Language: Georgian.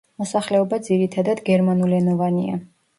მოსახლეობა ძირითადად გერმანულენოვანია.